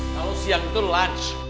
tahun siang itu lunch